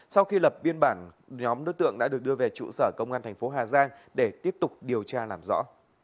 sau khi lập biên bản nhóm đối tượng đã được đưa về trụ sở công an thành phố hà giang để tiếp tục điều tra làm rõ